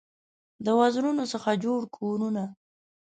د وزرونو څخه جوړ کورونه